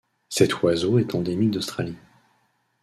Cet oiseau est endémique d'Australie.